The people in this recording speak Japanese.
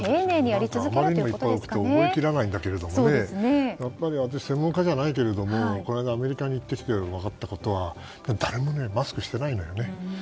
あまりにもいっぱいあって覚えきれないんだけど私、専門家じゃないけれどこの間アメリカに行って分かったことは誰もマスクしてないんだよね。